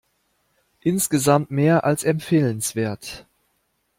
Insgesamt mehr als empfehlenswert.